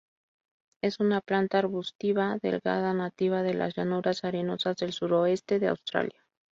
Es una planta arbustiva, delgada, nativa de las llanuras arenosas del suroeste de Australia.